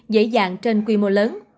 dễ dàng trên quy mô lớn